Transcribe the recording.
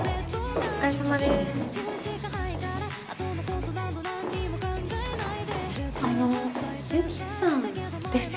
お疲れさまです。